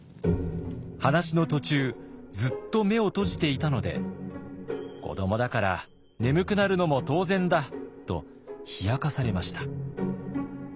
話の途中ずっと目を閉じていたので「子どもだから眠くなるのも当然だ」と冷やかされました。